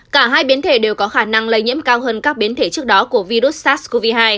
cả hai biến thể đều có khả năng lây nhiễm cao hơn các biến thể trước đó của virus sars cov hai